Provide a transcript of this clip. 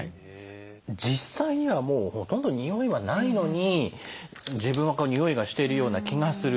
実際にはほとんどにおいはないのに自分はにおいがしているような気がする。